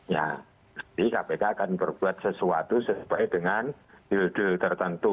ya jadi kpk akan berbuat sesuatu sesuai dengan dildul tertentu